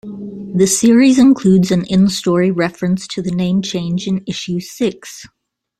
The series includes an in-story reference to the name change in issue six.